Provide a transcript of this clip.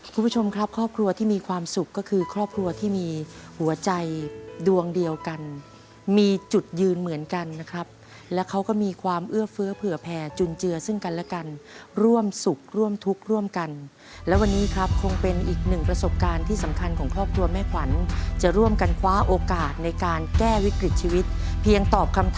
คุณผู้ชมครับครอบครัวที่มีความสุขก็คือครอบครัวที่มีหัวใจดวงเดียวกันมีจุดยืนเหมือนกันนะครับและเขาก็มีความเอื้อเฟื้อเผื่อแผ่จุนเจือซึ่งกันและกันร่วมสุขร่วมทุกข์ร่วมกันและวันนี้ครับคงเป็นอีกหนึ่งประสบการณ์ที่สำคัญของครอบครัวแม่ขวัญจะร่วมกันคว้าโอกาสในการแก้วิกฤตชีวิตเพียงตอบคำท